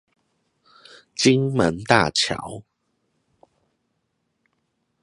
金門大橋